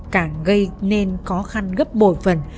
cả gây nên khó khăn gấp bộ phần